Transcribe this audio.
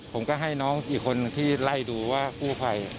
ผมก็ให้น้องอีกคนที่ไล่ดูว่ากู้ภัย